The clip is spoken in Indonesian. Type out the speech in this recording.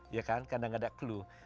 ya kan kadang kadang ada clue